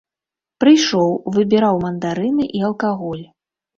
Прыйшоў, выбіраў мандарыны і алкаголь.